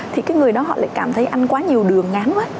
thì cái người đó họ lại cảm thấy ăn quá nhiều đường ngán quá